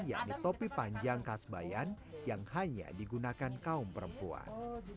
yakni topi panjang khas bayan yang hanya digunakan kaum perempuan